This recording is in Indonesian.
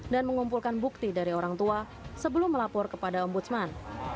dan mengumpulkan bukti dari orang tua sebelum melapor kepada om budsman